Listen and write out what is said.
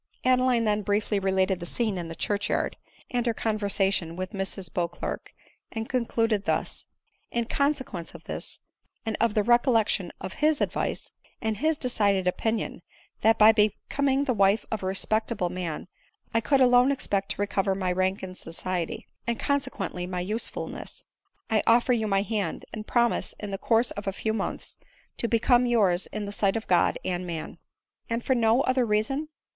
Adeline then briefly related the scene in the church yard, and her conversation with Mrs Beauclerc, and con cluded thus; — "In consequence of this, and of the re collection of his advice, and his decided opinion, that by becoming the wife of a respectable man, I could alone expect to recover my rank in society, and, consequently, my usefulness, I offer you my hand ; and promise, in the course of a few months, to become yours in the sight oi God and man." " And from no other reason